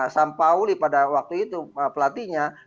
sam pauli pada waktu itu pelatihnya